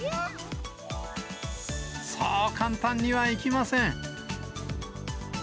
そう簡単にはいきません。